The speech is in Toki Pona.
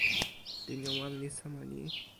linja wan li sama ni.